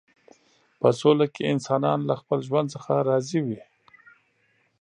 په سوله کې انسانان له خپل ژوند څخه راضي وي.